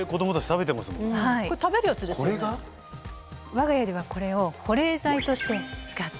我が家ではこれを保冷剤として使っています。